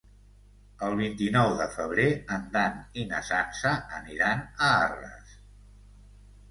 El vint-i-nou de febrer en Dan i na Sança aniran a Arres.